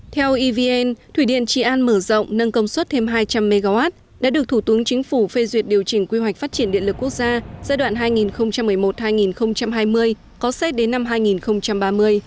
theo evn thủy điện trị an mở rộng nâng công suất thêm hai trăm linh mw đã được thủ tướng chính phủ phê duyệt điều chỉnh quy hoạch phát triển điện lực quốc gia giai đoạn hai nghìn một mươi một hai nghìn hai mươi có xét đến năm hai nghìn ba mươi